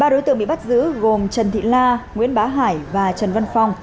ba đối tượng bị bắt giữ gồm trần thị la nguyễn bá hải và trần văn phong